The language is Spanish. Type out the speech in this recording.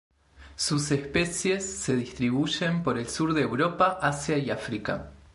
Sus especies se distribuyen por el sur de Europa, Asia y África.